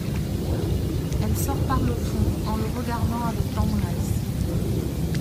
Elle sort par le fond en le regardant avec tendresse.